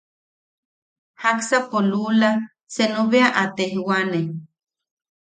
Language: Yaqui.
Jaksapo luula senu bea a tejwane.